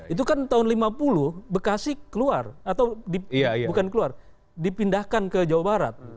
itu kan tahun lima puluh bekasi keluar atau bukan keluar dipindahkan ke jawa barat